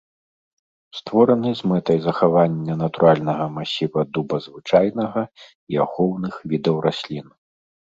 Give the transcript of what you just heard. Створаны з мэтай захавання натуральнага масіва дуба звычайнага і ахоўных відаў раслін.